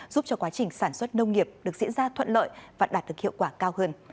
giúp cho quá trình sản xuất nông nghiệp được diễn ra thuận lợi và đạt được hiệu quả cao hơn